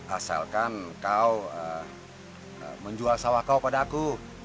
asalkan kau menjual sawah kau pada aku